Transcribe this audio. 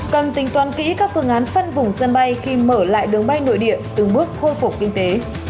cần tính toán kỹ các phương án phân vùng sân bay khi mở lại đường bay nội địa từng bước khôi phục kinh tế